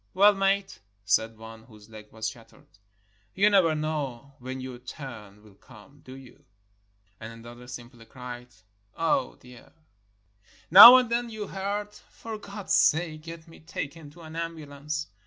"Well, mate," said one, whose leg was shattered, "you never know when your turn will come, do you?" 462 A MODERN BATTLEFIELD And another simply cried, "Oh, dear!" Now and then you heard, "For God's sake, get me taken to an ambulance!"